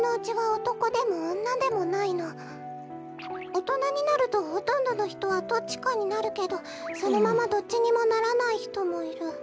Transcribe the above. おとなになるとほとんどのひとはどっちかになるけどそのままどっちにもならないひともいる。